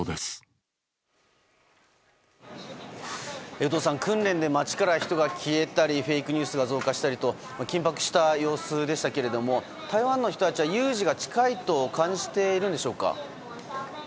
有働さん訓練で街から人が消えたりフェイクニュースが増加したりと緊迫した様子でしたが台湾の人たちは有事が近いと感じているんでしょうか。